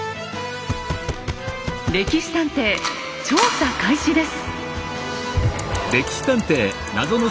「歴史探偵」調査開始です。